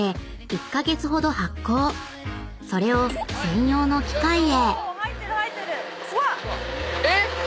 ［それを専用の機械へ］